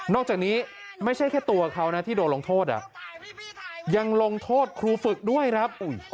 จากนี้ไม่ใช่แค่ตัวเขานะที่โดนลงโทษยังลงโทษครูฝึกด้วยครับ